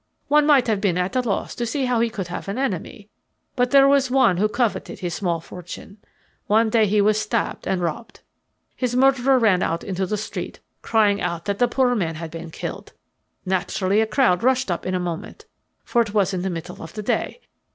One might have been at a loss to see how he could have an enemy, but there was one who coveted his small fortune. One day he was stabbed and robbed. His murderer ran out into the street, crying out that the poor man had been killed. Naturally a crowd rushed up in a moment, for it was in the middle of the day.